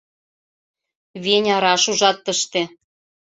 — Веня, раш ужат тыште: